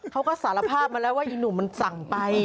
เขาก็สารภาพมาแล้วว่าอีหนุ่มมันสั่งไป